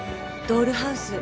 ドールハウス